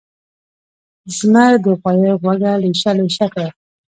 زمر د غوایه غوږه لېشه لېشه کړه.